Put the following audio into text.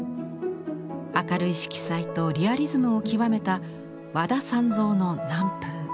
明るい色彩とリアリズムを極めた和田三造の「南風」。